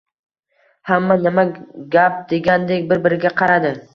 Hamma nima gap degandek bir-biriga qaradi